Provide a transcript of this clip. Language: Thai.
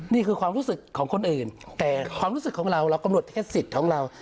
นี่คือความรู้สึกของคนอื่นแต่ความรู้สึกของเราเรากำหนดเทศสิทธิ์ของเรา